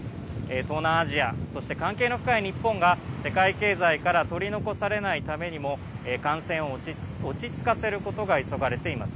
東南アジアそして関係の深い日本が世界経済から取り残されないためにも感染を落ち着かせることが急がれています。